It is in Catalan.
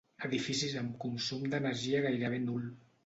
Edificis amb consum d'energia gairebé nul.